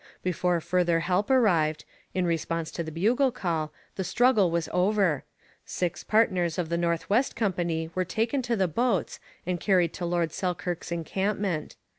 Before further help arrived, in response to the bugle call, the struggle was over. Six partners of the North West Company were taken to the boats and carried to Lord Selkirk's encampment.